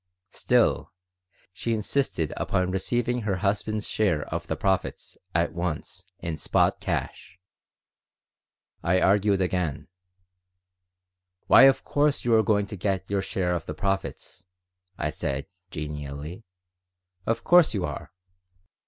Still, she insisted upon receiving her husband's share of the profits at once in spot cash. I argued again "Why, of course you are going to get your share of the profits," I said, genially. "Of course you are.